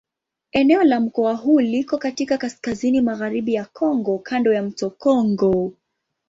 Eneo la mkoa huu liko katika kaskazini-magharibi ya Kongo kando ya mto Kongo.